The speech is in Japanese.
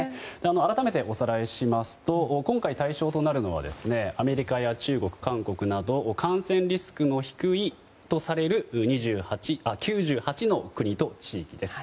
改めておさらいしますと今回、対象となるのはアメリカや中国、韓国など感染リスクが低いとされる９８の国と地域です。